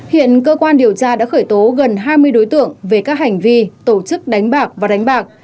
hiện cơ quan điều tra đã khởi tố gần hai mươi đối tượng về các hành vi tổ chức đánh bạc và đánh bạc